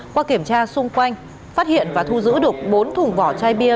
qua kiểm tra xung quanh phát hiện và thu giữ được bốn thùng vỏ chai bia